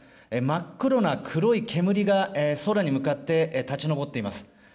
真っ黒な黒い煙が空に向かって立ち上っています。